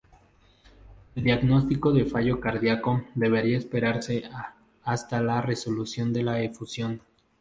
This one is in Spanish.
El diagnóstico de fallo cardíaco, debería esperarse hasta la resolución de la efusión.